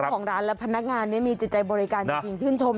จ้องของร้านและพนักงานนี้มีจิตใจบริการจริง